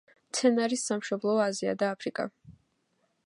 მცენარის სამშობლოა აზია და აფრიკა.